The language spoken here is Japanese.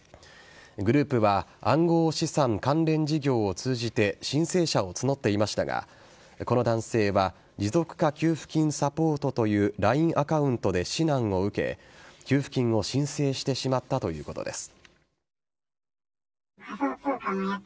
グループは暗号資産関連事業を通じて申請者を募っていましたがこの男性は持続化給付金サポートというＬＩＮＥアカウントで指南を受け給付金を申請してしまったということです。